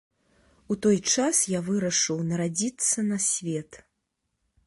У той час я вырашыў нарадзіцца на свет.